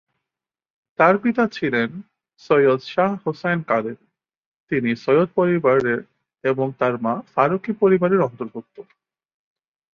তার পিতা ছিলেন সৈয়দ শাহ হোসাইন কাদেরী, তিনি সৈয়দ পরিবারের এবং তার মা ফারুকী পরিবারের অন্তর্ভুক্ত।